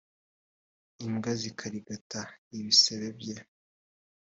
imbwa zikarigata ibisebe bye